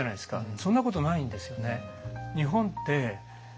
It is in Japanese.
そんなことないんですよね。